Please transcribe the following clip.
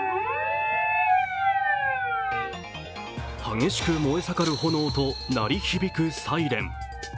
激しく燃えさかる炎と鳴り響くサイレン。